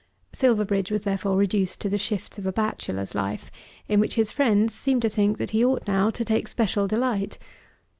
Silverbridge was therefore reduced to the shifts of a bachelor's life, in which his friends seemed to think that he ought now to take special delight.